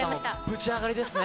ぶち上がりですね？